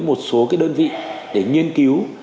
một số cái đơn vị để nghiên cứu